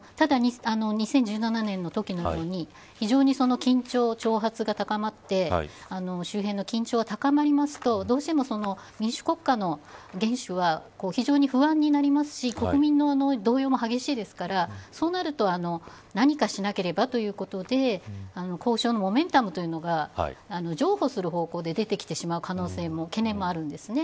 ただ２０１７年のときのように非常に緊張、挑発が高まって周辺の緊張が高まりますとどうしても民主国家の元首は非常に不安になりますし国民の動揺も激しいですからそうなると何かしなければということで交渉のモメンタムというのが情報する方向でできてしまうか懸念もあるんですね。